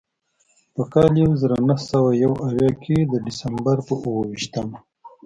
په کال یو زر نهه سوه یو اویا کې د ډسمبر پر اوه ویشتمه.